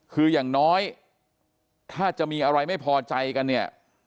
คืออย่างน้อยถ้าจะมีอะไรไม่พอใจกันเนี่ย